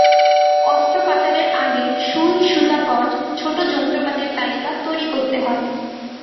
অস্ত্রোপচারের আগে সুই, সুতা, গজ, ছোট যন্ত্রপাতির তালিকা তৈরি করতে হয়।